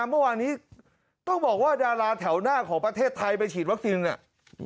เมื่อวานนี้ต้องบอกว่าดาราแถวหน้าของประเทศไทยไปฉีดวัคซีนเนี่ย